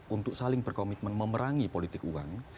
untuk saling berkomitmen memerangi politik uang